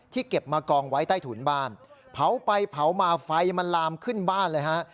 เก็บมากองไว้ใต้ถุนบ้านเผาไปเผามาไฟมันลามขึ้นบ้านเลยฮะ